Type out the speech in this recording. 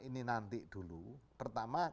ini nanti dulu pertama